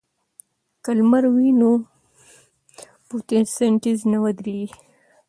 که لمر وي نو فوتوسنتیز نه ودریږي.